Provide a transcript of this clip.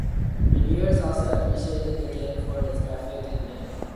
Reviewers also appreciated the game for its graphics and gameplay.